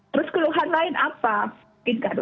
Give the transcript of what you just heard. terus keluhan lain apa mungkin kan